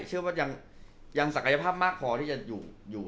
เชื่อว่ายังศักยภาพมากพอที่จะอยู่